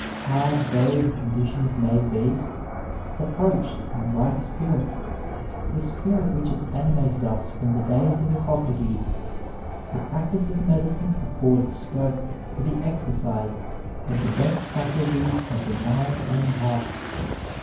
Hard though the con ditions may be, approached in the right spirit — ^the spirit which has animated us from the days of Hippocrates — ^the practice of medicine affords scope for the exercise of the best faculties of the mind and heart.